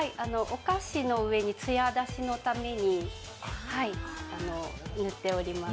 お菓子の上につや出しのために塗っております。